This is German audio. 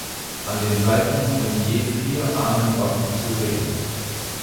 An den Seiten sind je vier Ahnenwappen zu sehen.